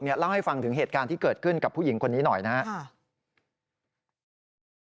เล่าให้ฟังถึงเหตุการณ์ที่เกิดขึ้นกับผู้หญิงคนนี้หน่อยนะครับ